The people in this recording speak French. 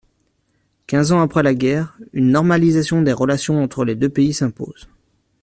Quinze ans après la guerre, une normalisation des relations entre les deux pays s’impose.